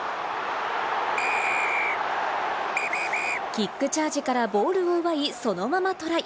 キックチャージからボールを奪い、そのままトライ！